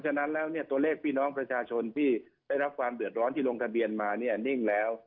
ฉะนั้นแล้วเนี่ยตัวเลขพี่น้องประชาชนที่ได้รับความเดือดร้อนที่ลงทะเบียนมาเนี่ยนิ่งแล้ว